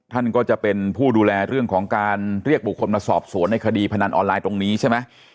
ท่านก็จะเป็นผู้ดูแลเรื่องของการเรียกบุคคลมาสอบสวนในคดีพนันออนไลน์ตรงนี้ใช่ไหม